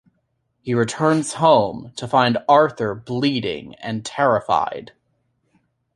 He returns home to find Arthur bleeding and terrified.